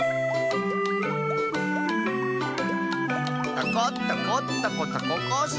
「タコタコタコタココッシー」